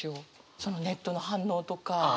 そのネットの反応とか。